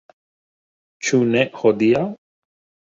Ĉu ne hodiaŭ?